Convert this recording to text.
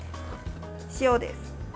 塩です。